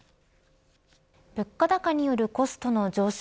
物価高によるコストの上昇